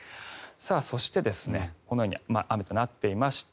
そして、このように雨となっていまして